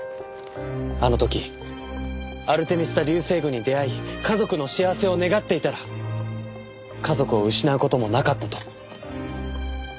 あの時アルテミス座流星群に出会い家族の幸せを願っていたら家族を失う事もなかったと。